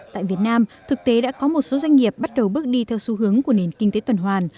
tại việt nam thực tế đã có một số doanh nghiệp bắt đầu bước đi theo xu hướng của nền kinh tế tuần hoàn